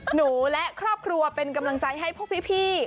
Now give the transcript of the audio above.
หนูและครอบครัวเป็นกำลังใจให้พวกพี่